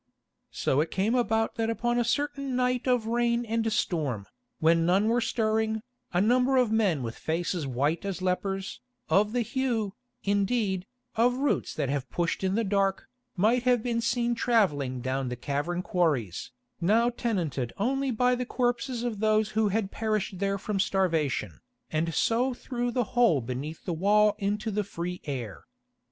So it came about that upon a certain night of rain and storm, when none were stirring, a number of men with faces white as lepers, of the hue, indeed, of roots that have pushed in the dark, might have been seen travelling down the cavern quarries, now tenanted only by the corpses of those who had perished there from starvation, and so through the hole beneath the wall into the free air.